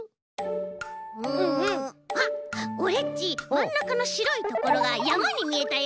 うんあっオレっちまんなかのしろいところがやまにみえたよ。